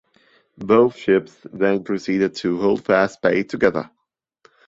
Both ships then proceeded to Holdfast Bay together.